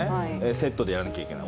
セットでやらなきゃいけない。